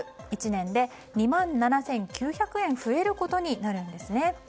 １年で２万７９００円増えることになるんですね。